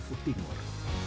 di kota ufuk timur